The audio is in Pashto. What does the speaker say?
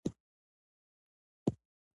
افغانستان د باران په برخه کې نړیوال شهرت لري.